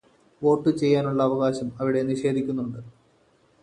വോട്ടുചെയ്യാനുള്ള അവകാശം അവിടെ നിഷേധിക്കുന്നുണ്ട്.